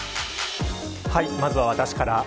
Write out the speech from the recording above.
まずは私から。